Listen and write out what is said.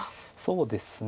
そうですね。